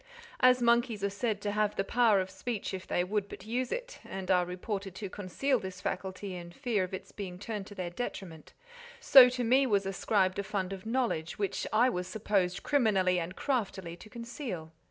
As monkeys are said to have the power of speech if they would but use it, and are reported to conceal this faculty in fear of its being turned to their detriment, so to me was ascribed a fund of knowledge which I was supposed criminally and craftily to conceal.